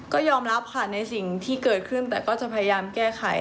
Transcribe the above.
ก็ยอมรับค่ะในสิ่งที่เกิดขึ้นแต่ก็จะพยายามแก้ไข